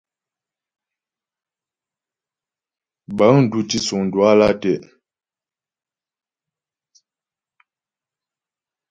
Bəŋ dù tǐsuŋ Duala tɛ'.